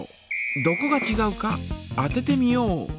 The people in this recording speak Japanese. どこがちがうか当ててみよう！